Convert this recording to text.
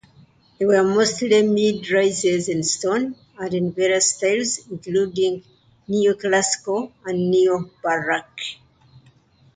They were mostly mid-rises in stone, and in various styles including neoclassical and neo-Baroque.